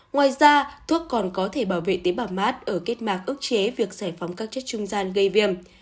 ngoài ra thuốc còn có thể bảo vệ tế bảo mát ở kết mạc ước chế việc giải phóng các chất trung gian gây viêm